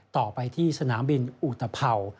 ต่อไปที่สนามบินอุตภัวร์